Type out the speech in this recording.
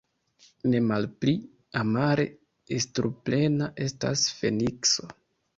Nemalpli amare instruplena estas Fenikso.